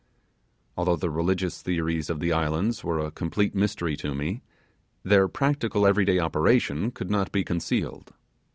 Although the religious theories of the islands were a complete mystery to me, their practical every day operation could not be concealed.